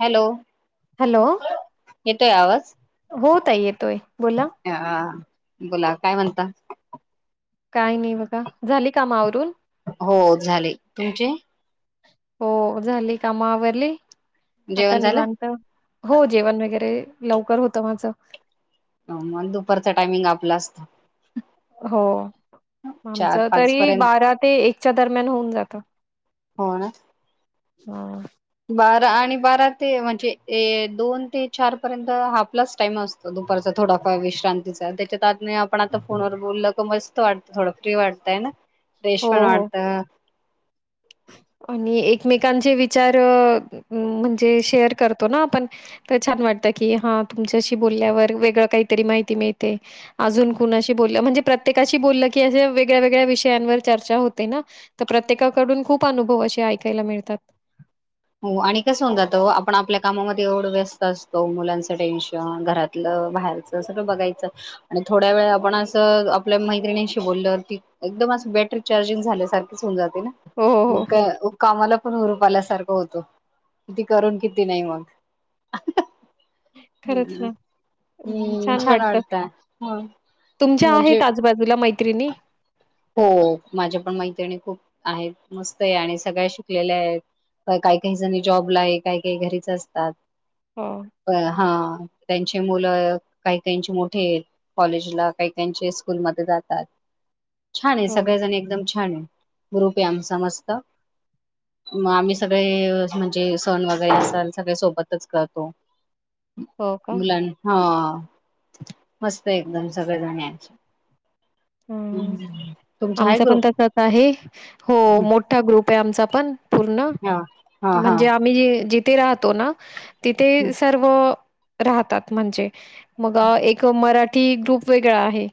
Hello. Hello. येतोय आवाज? हो ताई येतोय बोला. हा बोला काय म्हणता. काय नाही बघा, झाली काम आवरून. हो झाले, तुमचे. हो झाली काम अवरली. आता जेवण झालं? निवांत, हो जेवण वगैरे. लवकर होत माझं. मग दुपारच्या टायमिंग आपल असत. हो चार आमचं पाच तरी पर्यंत बारा ते एकच्या दरम्यान होऊन जात. हो ना हा. बारा आणि बारा ते म्हणजे दोन ते चार पर्यंत आपलाच टाइम असतो, दुपारचा थोडाफार विश्रांतीचा त्याच्यातत आपण आता फोनवर बोलल की मस्त वाटत थोड, फ्री वाटतय हे ना. फ्रेश हो पण हो वाटत. आणि एकमेकांचे विचार अ म्हणजे शेअर करतो ना आपण, तर छान वाटत, की हा तुमच्याशी बोलल्यावर वेगळं काहीतरी माहिती मिळते. अजून कुणाशी बोल म्हणजे. प्रत्येकाशी बोल-की अ वेगळ्या-वगळ्या विषयांवर चर्चा होते ना प्रत्येका कडून खूप अनुभव असे ऐकायला मिळतात. हो आणि कस होऊन जात आपण आपल्या कामामध्ये एवढे वेस्त असतो, मुलांचं टेन्शन घरातलं बाहेरच सगळं बघायचं आणि थोड्या वेळ आपण असं आपल्या मैत्रिणींशी बोलल की एकदम अस बॅटरी चार्जिंग झाल्यासारखच होऊन जात. होय ना. हो, हो, हो. मग कामाला. व्हरुपआल्यासारखं होत. किती करू किती नाही मग. खरंच हम्म ना छान वाटत, वाटतं ह तुमच्या म्हणजे आहेत आजूबाजूला मैत्रिणी. हो माझ्या पण मैत्रिणी खूप आहेत, मस्त आहेत, आणि सगळ्या शिकलेल्या आहेत, काही-काही जणी जॉबला आहेत काही- काही जनी घरीच असतात. हो, हा. त्यांचे मुलं काही-काहीचे मोठे आहेत, कॉलेजला काही-काहीचे स्कूलमध्ये जातात. छान आहे, हो. सगळेजण एकदम छान आहे. ग्रुप आहे, आमचा मस्त मग आम्ही सगळे म्हणजे सण वगैरे असाल सगळे सोबतच करतो. हो का? मुलाना हा.. मस्त एकदम सगळेजण यांचे ह आमचं पण ग्रुप तसंच आहे, हो मोठा ग्रुप आहे आमचा. पण पूर्ण हा हा हा म्हणजे आम्ही जी. ते राहतो ना. तिथे सर्व. राहतात म्हणजे? मग एक मराठी. ती ग्रुप वेगळा आहे.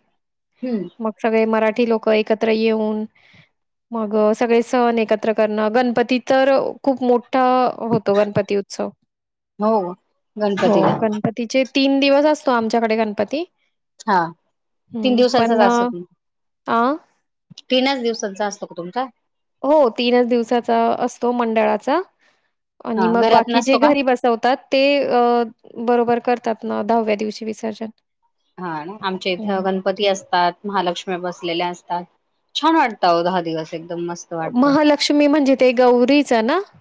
हम्म. मग सगळे मराठी लोक एकत्र येऊन मग सगळे सण एकत्र करणं गणपतीत तर खूप मोठा होतो गणपती उत्सव. हो गणपतीला. तीन दिवस असतो आमच्याकडे गणपती. हा तीन हं, दिवसाचाच पण अ, असतो. आ? तीनच दिवसाांचा असतो का तुमचा? हो तीनच दिवसाचा असतो मंडळाचा. आणि हा मग घरात बाकी जे नसतो का घरी बसवतात ते बरोबर कर करतात दहाव्या दिवशी विसर्जन. हा आमच्या इथे हं. गणपती असतात महालक्ष्मी बसलेल्या असतात छान वाटतं अहो दहा दिवस. एकदम मस्त वाटतं महालक्ष्मी म्हणजे ते गौरी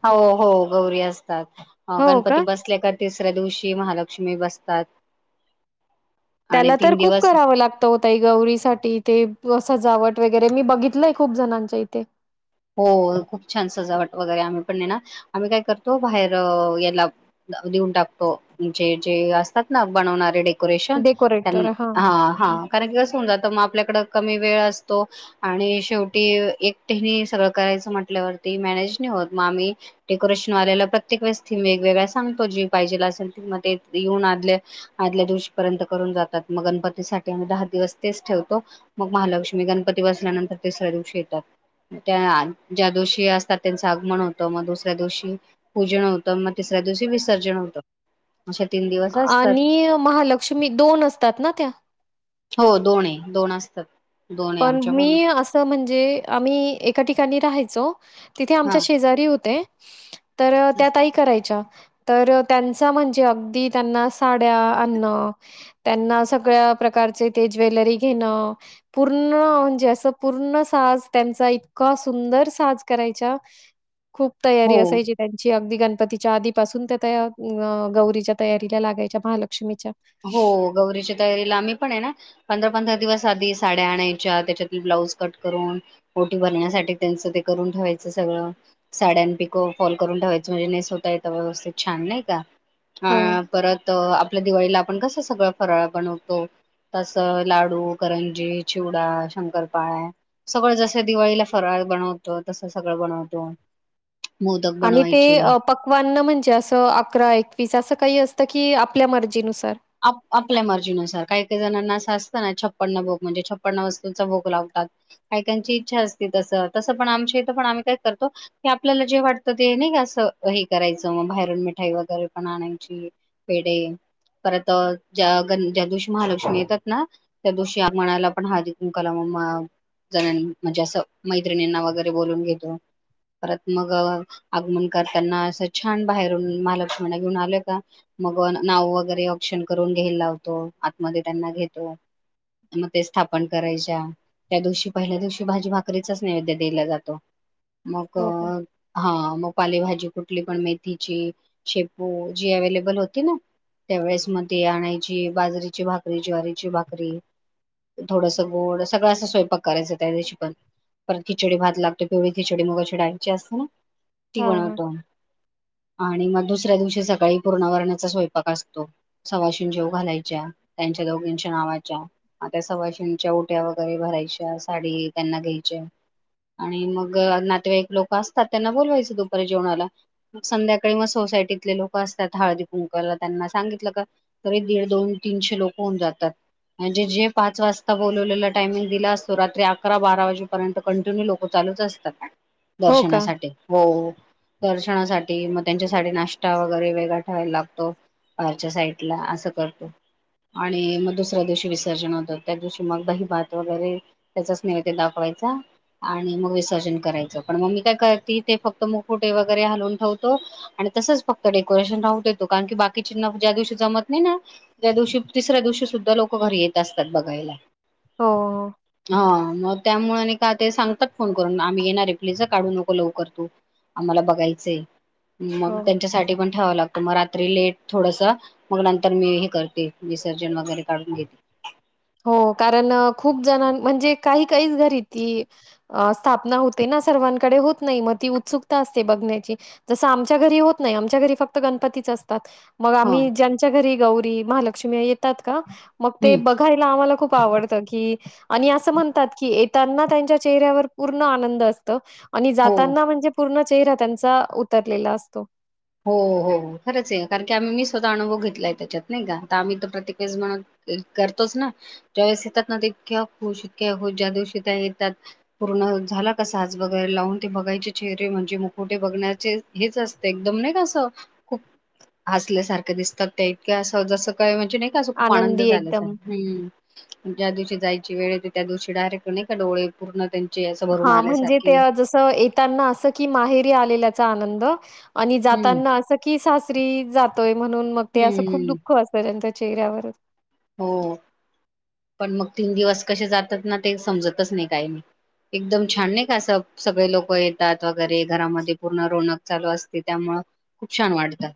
हो हो गौरी असतात हो गणपती का? बसल्या का तिसऱ्या दिवशी महालक्ष्मी लक्ष्मी बसतात. आणि त्याला तर तीन खूप दिवस करावं लागत होतंय गौरीसाठी ते सजावट वगैरे मी बघितलंय खूप जणांच्या इथे. हो खूप छान सजावट वगैरे आम्ही पण नाही ना आम्ही काय करतो बाहेर याला देऊन टाकतो म्हणे जे असतात ना बनवणारे डे डेकोरेशन डेकोरेटर हां. ह ह कारण की कसं होऊन जात मग आपल्याकड. कमी वेळ असतो आणि शेवटी एकटे सगळं करायचं म्हटल्यावर मॅनेज नाही होत मग आम्ही डेकोरेशन वाल्याला प्रत्येक वेळेस वेगवेगळ्या थिम सांगतो जी पाहिजे असेल मग ते येऊन आ आदल्या दिवशी पर्यंत करून जातात मग गणपतीसाठी आम्ही दहा दिवस तेच ठेवतो मग महालक्ष्मी गणपती बसल्यानंतर तिसऱ्या दिवशी येतात. त्या ज्या दिवशी असतात त्यांचं आगमन होतं मग दुसऱ्या दिवशी पूजन होतं मग तिसऱ्या दिवशी विसर्जन होतं. अशे तीन दिवस असतात आणि महालक्ष्मी दोन असतात ना त्या? हो दोन आहे दोन असतात. दोन आहे पण आमच्या मी असं म्हणजे आम्ही एक एका ठिकाणी राहायचो. तिथे हा आमच्या शेजारी होते. तर त्या ताई करायच्या. तर त्यांचा म्हणजे अगदी त्यांना साड्या आणणं त्यांना सगळ्या प्रकारचे ते ज्वेलरी घेण पूर्ण म्हणजे असं पूर्ण साज त्यांचा इतका सुंदर साज करायच्या. खूप हो तयारी असायची त्यांची. अगदी गणपतीच्या आधीपासून त्या अ गौरीच्या तयारीला लागायच्या महाल हो गौरीच्या तयारीला आम्ही पण आहे ना पंधरा पंधरा दिवस आधी साड्या आणायच्या त्याच्यात ब्लाऊज कट करून ओटी भरण्यासाठी त्यांचं ते करून ठेवायचं सगळं साड्या पिक फॉल करून ठेवायचं म्हणजे नेसवता येतात व्यवस्थित छान नाही का हो. हा परत आपल्या दिवाळीला आपण कसं सगळं फराळ बनवतो. तस लाडू करंजी चिवडा शंकरपाळा सगळं जस दिवाळीला फराळ बनवतो तस सगळं बनवतो. मोदक आणि ते बनवायचे पक्वान ना म्हणजे असं अकरा एकवीस असं काही असतं की आप त्या मर्जीनुसार आप आपल्या मर्जीनुसार काही काही जणांना असं असतं ना छप्पन भोग म्हणजे छप्पन्न वस्तूंचा भोग लावतात. काही काहींची इच्छा असते तसं तसं पण आमच्या इथं पण आम्ही काय करतो की आपल्याला जे वाटतं ते नाही का असं हे करायचं मग बाहेरून मिठाई वगैरे पण आणायची पेढे परत ज्या गण ज्या दिवशी महालक्ष्मी येतात ना त्या दिवशी आगमनाला पण हळदी कुंकूला म जण म्हणजे असं मैत्रिणींना वगैरे बोलवुन घेतो. परत मग आगमन करताना असं छान बाहेरून महालक्ष्मींना घेऊन आल का मग नाव वगैरे औक्षण करून घ्यायला लावतो. आतमध्ये त्यांना घेतो. मग ते स्थापन करायच्या त्या दिवशी पहिल्या दिवशी भाजी भाकरीचाच नैवेद्य दिला जातो. मग हो का? हा मग पालेभाजी कुठली पण मेथीची शेपू जी अव्हेलेबल होती ना त्या वेळेस म ती आणायची बाजरीची भाकरी ज्वारीची भाकरी थोडंस गोड सगळं असा स्वयंपाक करायचा त्या दिवशी पण परत खिचडी भात लागतो पिवळी खिचडी मुगाच्या डाळीची असते ना ती हां, हां. बनवतो. आणि मग दुसऱ्या दिवशी सकाळी पूर्ण [inaudible] स्वयंपाक असतो. सवाशीण जेवु घालायच्या त्यांच्या दोघींच्या नावाच्या त्या सवाशीणच्या ओट्या वगैरे भरायच्या साडी त्यांना घ्यायच्या आणि मग नातेवाईक लोकं असतात त्यांना बोलवायचं दुपारी जेवणाला. संध्याकाळी मग सोसायटीतले लोक असतात हळदी कुंकूवाला त्यांना सांगितलं का तरी दीड दोन तीनशे लोक होऊन जातात म्हणजे जे पाच वाजता बोलवलेला टायमिंग दिला असतो रात्री अकरा बारा वाजेपर्यंत कंटिन्यू लोक चालूच असतात. हो का? दर्शनासाठी हो हो दर्शनासाठी म त्यांच्या साठी नाष्टा वगैरे वेगळा ठेवायला लागतो बाहेरच्या साईड ला असं करतो. आणि मग दुसऱ्या दिवशी विसर्जन होतं. त्या दिवशी मग दहीभात वगैरे त्याचाचं नैवेत दाखवायचा. आणि मग विसर्जन करायचं पण म मी काय करते ते फक्त मुकुटे वगैरे हलवून ठेवतो. आणि तसंच फक्त डेकोरेशन राहु देतो. कारण की बाकीची ज्या दिवशी जमत नाही ना त्या दिवशी तिसऱ्या दिवशी सुद्धा लोकं घरी येत असतात बघायला. हो हो हा मग त्यामुळे आणि का ते सांगतात फोन करून आम्ही घेणार प्लीज ह काढू नको लवकर तू आम्हाला बघायचंय. मग हो, हो. त्यांच्यासाठी पण ठेवावं लाग म रात्री लेट थोडंस मग नंतर मी हे करते विसर्जन वगैरे काढून घेते. हो कारण खूप जण म्हणजे काही काहीच घरी ती स्थापना होते ना सर्वांकडे होत नाही मग ती उत्सुकता असते बघण्याची जसं आमच्या घरी होत नाही आमच्या घरी फक्त गणपतीच असतात. मग हा आम्ही ज्यांच्या घरी गौरी महालक्ष्म्या येतात का? मग ते हं, ब मला खूप आवडत की आणि असं म्हणतात की येताना त्यांच्या चेहऱ्यावर पूर्ण आनंद असतं. आणि हो, जाताना म्हणजे पूर्ण चेहरा त्यांचा उतरलेला असतो. हो हो हो खरंच आहे कारण की आम्ही मी स्वतः अनुभव घेतलाय त्याच्यात नाही का आता आम्ही तर प्रत्येक वेळेस म्हणत करतोच ना ज्यावेेळेस येतात ना इतक्या खुश इतक्या खुश ज्या दिवशी त्या येतात पूर्ण झाला का साज वगैरे लावून ते बघायचे चेहरे म्हणजे मुखोटे बघण्याचे हेच असते एकदम नाही असं खूप हसल्यासारखं दिसतात त्या इतक्या असं जसं काय म्हण जे नाही का असं खूप आनंद आनंदी झाल्यासा एकदम ज्या दिवशी जायची वेळ येते त्या दिवशी डायरेक्ट नाही का डोळे पूर्ण त्या हा म्हणजे ते जसं येताना असं की माहेरी आलेल्याचा आनंद [inaudible] आणि हं, जाताना असं की सासरी जातोय म्हणून मग ते असं खूप हं. दुःख असतंय त्यांच चेहऱ्यावर हो पण मग तीन दिवस कसे जातात ना ते समजतच नाही काही नाही एकदम छान नाही का असं सगळे लोकं येतात वगैरे घरामध्ये पूर्ण रोनक चालू असते त्यामुळं खूप छान वाटतं.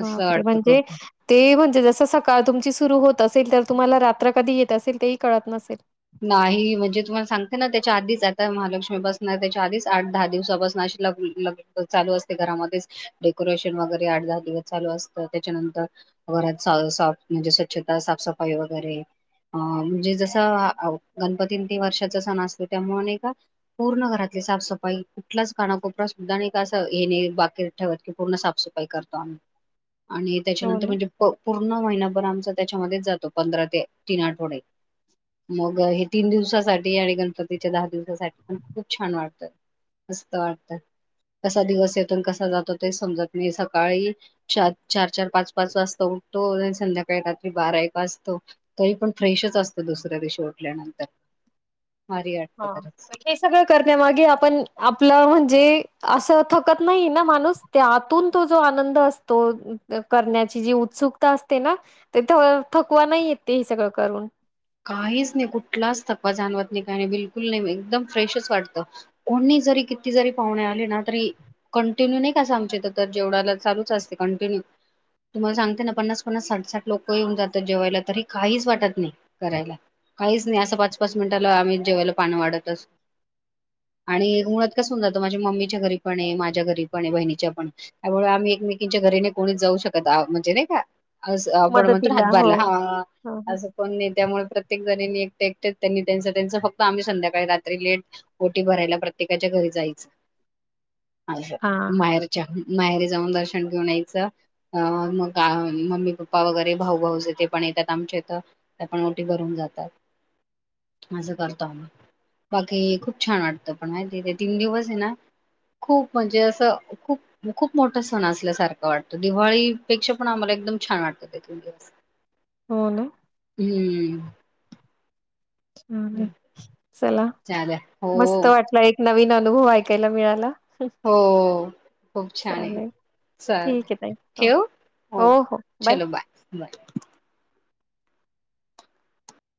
असं वाटतं म्हणजे खूप. ते म्हणजे जस सकाळ तुमची सुरु होत असेल त तुम्हाला रात्र कधी येत असेल, तेही कळत नसेल. नाही म्हणजे तुम्हाला सांगते ना त्याच्या आधीच आता महालक्ष्मी बसणार त्याच्या आधीच आठ दहा दिवसा बसण अशी ल चालू असते घरामध्येच डेकोरेशन वगैरे आठ दहा दिवस चालू असतं त्याच्यानंतर घरात म्हणजे स्वच्छता साफसफाई वगैरे अ म्हणजे जस गणपती ते वर्षाचा सण असतो त्यामुळे नही का पूर्ण घरातली साफसफाई कुठलाच कानाकोपरा सुद्धा नाही का असं हे नाही बाकीत ठेवत की पूर्ण साफसफाई करतो आम्ही. आणि हो त्याच्यानंतर ना? म्हणजे प पूर्ण महिनाभर आमचा त्याच्यामध्येच जातो. पंधरा ते तीन आठवडे. मग हे तीन दिवसासाठी. आणि गणपतीच्या दहा दिवसासाठी. पण खूप छान वाटतं. मस्त वाटत, कसा दिवस येतो कसा जातो ते समजत नाही सकाळी चार चार चार पाच पाच वाजता उठतो, आणि संध्याकाळी रात्री बारा एक वाजतो, तरी पण फ्रेशच असतो दुसऱ्या दिशी. सोडल्यानंतर. हा हे सगळं करण्यामागे आपण आपलं म्हणजे. असं थकत नाही ना, माणूस त्या आतून तो जो आनंद असतो करण्याची जी उत्सुकता असते ना, ते थकवा नाही येते हे सगळं करून. काहीच नाही, कुठलाच थकवा जाणवत नाही, काही नाही, बिलकुल नाही, एकदम फ्रेशच वाटतं, कोणी जरी किती जरी पाहुणे आले ना तरी कंटिन्यू नाही काअसं आमच्या इथं तर जेवणााला चालूच असते, कंटिन्यू तुम्हाला सांगते ना पन्नास पन्नास साठ साठ लोक येऊन जातात जेवायला, तरी काहीच वाटत नाही. करायला काहीच नाही, असं पाच पाच मिनिटाला आम्ही जेवायला पान वाढतच आणि मुळात कस होन जातो, माझ्या मम्मीच्या घरी पणे माझ्या घरी पणे बहिणीच्या पण त्यामुळे आम्ही एकमेकींच्या घरीने कोणीच जाऊ शकत म्हणजे नाही का? आपण म्हणतो ना मदतीला. हातभार हो. लावायला. ह हां, हां. अस कोनी नाही. त्यामुळे प्रत्येक जणनी एकटे एकटे त्यांनी त्यांच त्यांच फक्त आम्ही संध्याकाळी रात्री लेट ओटी भरायला प्रत्येकाच्या घरी जायच. अ हा माहेरच्या. माहेरी जाऊन दर्शन घेऊन यायचं, अ मग मम्मी पप्पा वगैरे भाऊ भाऊजेते पण येतात, आमच्या इथ. त्या पण ओटी भरून जातात, अस करतो आम्ही. बाकी खूप छान वाटतं. पण माहिती ते तीन दिवसे ना. खूप म्हणजे असं खूप खूप मोठा सण असल्यासारखं वाटतं. दिवाळीपेक्षा पण आम्हाला एकदम छान वाटतं ते तीन दिवस. हो ना. हम्म. ह हम्म. चला. चालेल हो मस्त वाटलं एक नवीन अनुभव ऐकायला मिळाला. हो खूप छाने. चालेल ठीक आहे ताई हो ठेवू हो चलो बाय बाय.